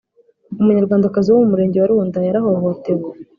Umunyarwandakazi uba mu Murenge wa runda yarahohotewe